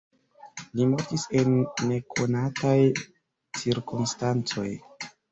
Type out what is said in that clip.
Li mortis en nekonataj cirkonstancoj.